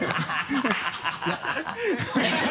ハハハ